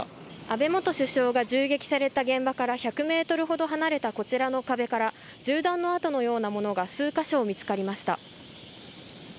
安倍元首相が銃撃された現場から１００メートルほど離れたこちらの現場から銃弾の痕のようなものが数か所で見つかりました。